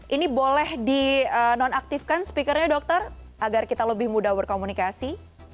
ini boleh dinonaktifkan speakernya dokter agar kita lebih mudah berkomunikasi